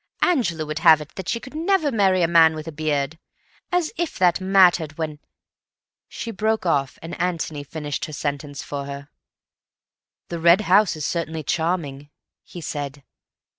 Angela would have it that she could never marry a man with a beard. As if that mattered, when—" She broke off, and Antony finished her sentence for her. "The Red House is certainly charming," he said.